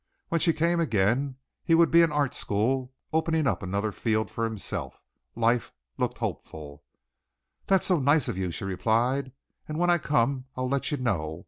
When she came again he would be in art school, opening up another field for himself. Life looked hopeful. "That's so nice of you," she replied. "And when I come I'll let you know.